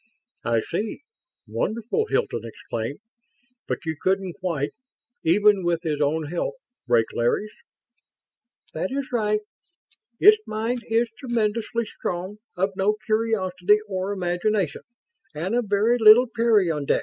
"I see. Wonderful!" Hilton exclaimed. "But you couldn't quite even with his own help break Larry's?" "That is right. Its mind is tremendously strong, of no curiosity or imagination, and of very little peyondix."